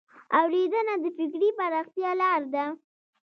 اورېدنه د فکري پراختیا لار ده